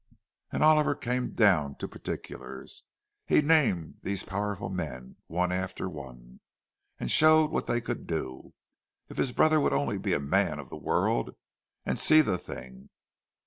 And Oliver came down to particulars—he named these powerful men, one after one, and showed what they could do. If his brother would only be a man of the world, and see the thing!